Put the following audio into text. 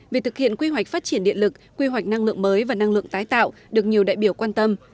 việc thực hiện quy hoạch phát triển điện lực quy hoạch năng lượng mới và năng lượng tái tạo được nhiều đại biểu quan tâm